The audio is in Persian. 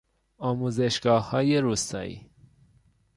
آموزشگاههای روستایی